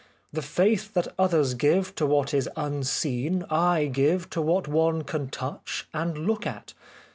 The faith that others give to what is unseen I give to what one can touch and look at.